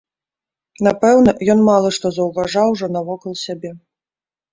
Напэўна, ён мала што заўважаў ужо навокал сябе.